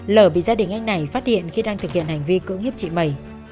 lở bị gia đình anh này phát hiện khi đang thực hiện hành vi cưỡng hiếp chị mẩy